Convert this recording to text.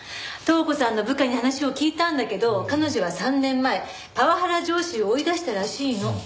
塔子さんの部下に話を聞いたんだけど彼女は３年前パワハラ上司を追い出したらしいの。